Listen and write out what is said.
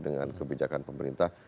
dengan kebijakan pemerintah